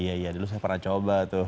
iya iya dulu saya pernah coba tuh